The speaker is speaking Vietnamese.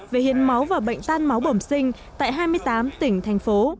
về hiến máu và bệnh tan máu bẩm sinh tại hai mươi tám tỉnh thành phố